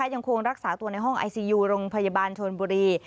ยังคงรักษาตัวในห้องไอซียูโรงพยาบาลชนบุรี